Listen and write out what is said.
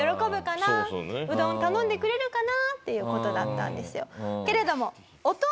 うどん頼んでくれるかなっていう事だったんですよ。